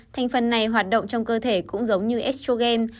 thành phần này hoạt động trong cơ thể cũng giống như shogen